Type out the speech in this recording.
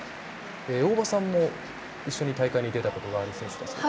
大場さんも一緒に大会に出たことがある選手ですか？